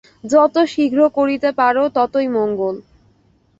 যত শীঘ্র করিতে পার ততই মঙ্গল।